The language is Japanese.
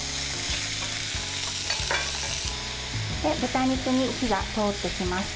豚肉に火が通ってきました。